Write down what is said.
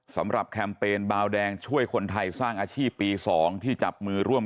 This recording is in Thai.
สำหรับแคมเปญบาวแดงช่วยคนไทยสร้างรีบปีสองที่จับมือร่วม